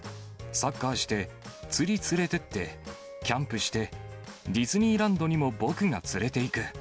サッカーして、釣り連れてって、キャンプして、ディズニーランドにも僕が連れていく。